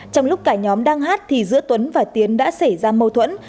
trong lúc cả nhóm đang hát thì giữa tuấn và tiến đã xảy ra mâu thuẫn